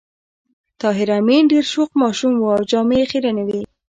طاهر آمین ډېر شوخ ماشوم و او جامې یې خيرنې وې